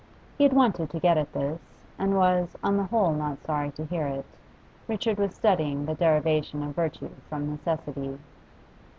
He had wanted to get at this, and was, on the whole, not sorry to hear it. Richard was studying the derivation of virtue from necessity.